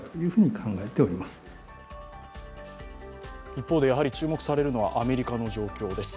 一方で注目されるのはアメリカの状況です。